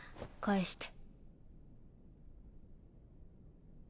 返して。